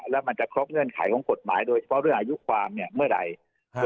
แล้วมันจะครบเงื่อนไขของกฎหมายโดยเฉพาะเรื่องอายุความเนี่ยเมื่อใด